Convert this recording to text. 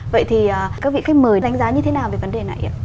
vậy thì các vị khách mời đánh giá như thế nào về vấn đề này ạ